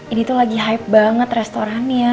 ini tuh lagi hype banget restorannya